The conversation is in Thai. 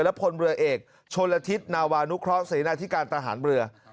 และพลเรือเอกชนละทิศนาวานุเคราะห์เสนาธิการทหารเรือ